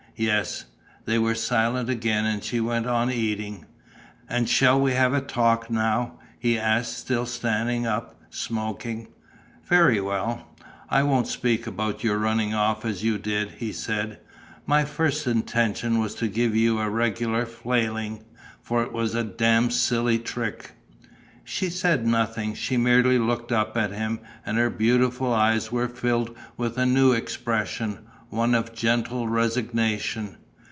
"Yes" They were silent again and she went on eating. "And shall we have a talk now?" he asked, still standing up, smoking. "Very well." "I won't speak about your running off as you did," he said. "My first intention was to give you a regular flaying, for it was a damned silly trick...." She said nothing. She merely looked up at him; and her beautiful eyes were filled with a new expression, one of gentle resignation.